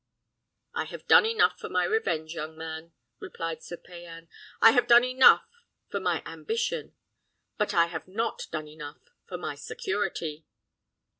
"I have done enough for my revenge, young man," replied Sir Payan; "I have done enough for my ambition; but I have not done enough for my security."